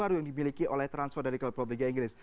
baru yang dimiliki oleh transfer dari klub liga inggris